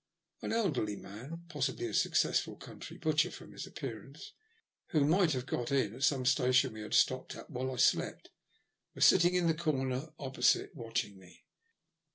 An elderly man, possibly a successful country butcher from his appearance, who must have got in at some station we had stopped at while I slept, was sitting in the comer opposite, watching me.